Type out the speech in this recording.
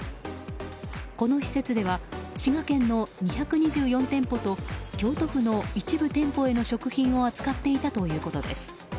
この施設では滋賀県の２２４店舗と京都府の一部店舗への食品を扱っていたということです。